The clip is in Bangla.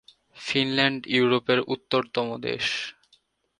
ফিনল্যান্ড ইউরোপের উত্তরতম দেশ।